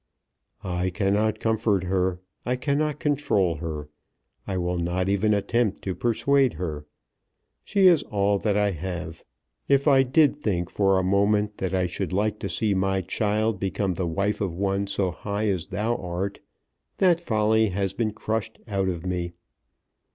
"I cannot comfort her; I cannot control her. I will not even attempt to persuade her. She is all that I have. If I did think for a moment that I should like to see my child become the wife of one so high as thou art, that folly has been crushed out of me.